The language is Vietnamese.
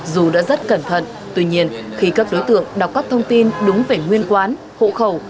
dù đã rất cẩn thận tuy nhiên khi các đối tượng đọc các thông tin đúng về nguyên quán hộ khẩu